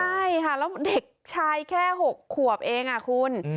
ใช่ค่ะแล้วเด็กชายแค่๖ขวบเองคุณ